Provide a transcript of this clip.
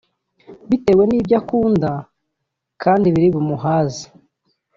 bitewe nibyo akunda kandi biri bumuhaze